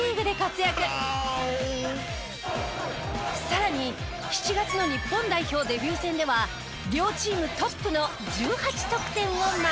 さらに７月の日本代表デビュー戦では両チームトップの１８得点をマーク。